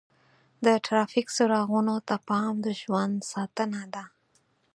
د ټرافیک څراغونو ته پام د ژوند ساتنه ده.